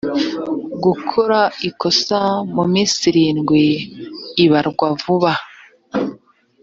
gukora ikosora mu minsi irindwi ibarwa vuba